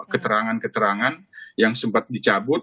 keterangan keterangan yang sempat dicabut